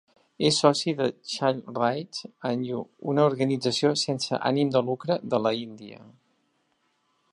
És soci de Child Rights and You, una organització sense ànim de lucre de la Índia.